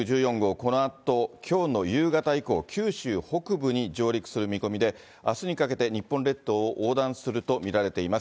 このあときょうの夕方以降、九州北部に上陸する見込みで、あすにかけて日本列島を横断すると見られています。